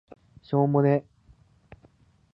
しょーもね